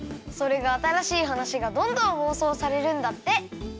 それがあたらしいはなしがどんどん放送されるんだって。